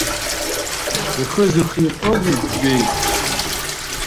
Ихы зыхирҟьозеи, џьбеит?